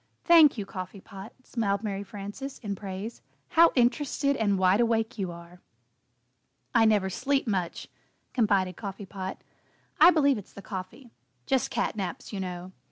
"Thank you, Coffee Pot," smiled Mary Frances, in praise, "how interested and wide awake you are!" "I never sleep much," confided Coffee Pot. "I believe it's the coffee just 'cat naps,' you know.